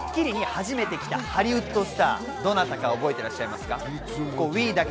ちなみに加藤さん、『スッキリ』に初めて来たハリウッドスター、どなたか覚えていらっしゃいますか？